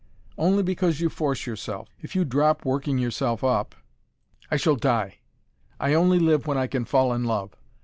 "Only because you force yourself. If you drop working yourself up " "I shall die. I only live when I can fall in love.